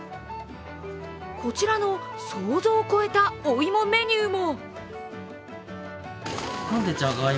こちらの想像を超えたお芋メニューも。